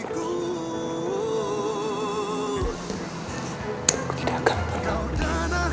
aku tidak akan pernah pergi